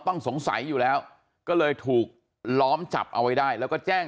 ต้องสงสัยอยู่แล้วก็เลยถูกล้อมจับเอาไว้ได้แล้วก็แจ้ง